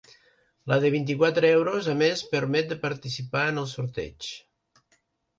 La de vint-i-quatre euros, a més, permet de participar en el sorteig.